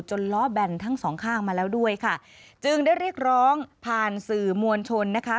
ล้อแบนทั้งสองข้างมาแล้วด้วยค่ะจึงได้เรียกร้องผ่านสื่อมวลชนนะคะ